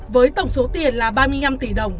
với tổng số tiền là ba mươi năm tỷ đồng